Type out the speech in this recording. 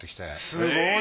すごい！